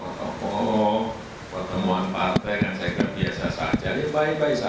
walaupun pertemuan pak peh kan saya nggak biasa saja